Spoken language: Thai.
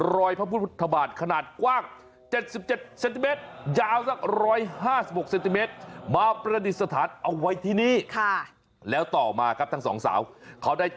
รอยพระพุทธบาทขนาดกว้าง๗๗เซนติเมตรยาวสัก๑๕๖เซนติเมตร